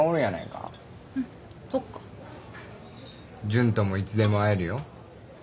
純ともいつでも会えるよ。